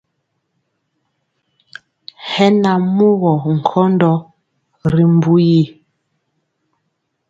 Hɛ na mugɔ nkɔndɔ ri mbu yi.